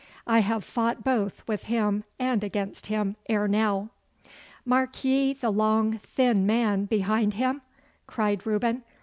I have fought both with him and against him ere now.' 'Mark ye the long thin man behind him?' cried Reuben.